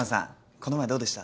この前どうでした？